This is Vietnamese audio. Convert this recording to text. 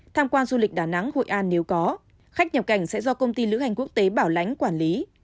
tham quan du lịch đà nẵng hội an nếu có khách nhập cảnh sẽ do công ty lữ hành quốc tế bảo lãnh quản lý